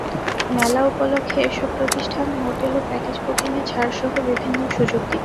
মেলা উপলক্ষে এসব প্রতিষ্ঠান হোটেল ও প্যাকেজ বুকিংয়ে ছাড়সহ বিভিন্ন সুযোগ দিচ্ছে।